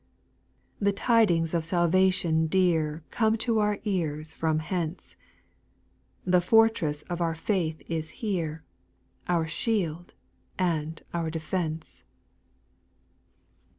4. The tidings of salvation dear Come to our ears from hence ; The fortress of our faith is here, Our shield, and our defence.